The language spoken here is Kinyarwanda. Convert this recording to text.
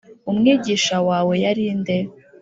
umwigisha wawe yari nde?